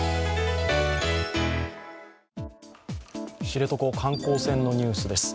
知床観光船のニュースです。